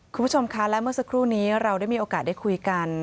คุณผู้ชมคะและเมื่อสักครู่นี้เราได้มีโอกาสได้คุยกัน